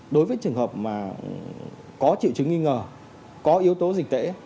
đối với trường hợp mà có triệu chứng nghi ngờ có yếu tố dịch tễ